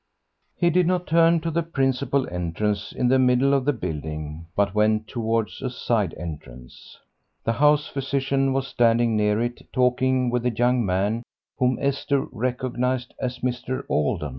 He did not turn to the principal entrance in the middle of the building, but went towards a side entrance. The house physician was standing near it talking with a young man whom Esther recognised as Mr. Alden.